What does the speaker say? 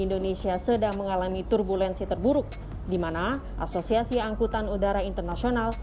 indonesia sedang mengalami turbulensi terburuk di mana asosiasi angkutan udara internasional